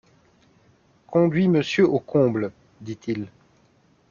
Conduis monsieur au comble, dit-il.